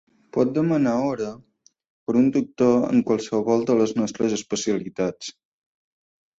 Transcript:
Pot demanar hora per un doctor en qualsevol de les nostres especialitats.